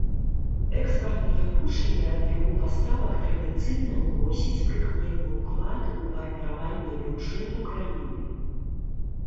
Экспартныя пошліны ад яго паставак традыцыйна ўносяць прыкметны ўклад у фарміраванне бюджэту краіны.